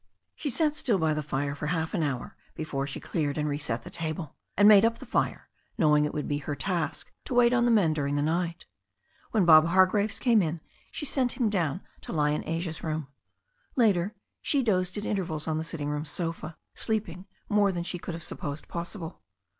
She sat still by the fire for half an hour before she cleared and reset the table, and made up the fire, knowing it would be her task to wait on the men during the night. When Bob Hargraves came in she sent him to lie down in Asia's room. Later she dozed at intervals on the sitting room sofa, sleep ing more than she could have supposed possible.